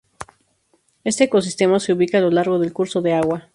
Este ecosistema se ubica a lo largo del curso de agua.